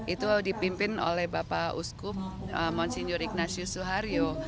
itu dipimpin oleh bapak uskup monsignor ignatius suhario